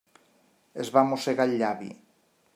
Es va mossegar el llavi.